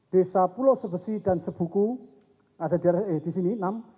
desa pulau sebesi dan sebuku ada di sini enam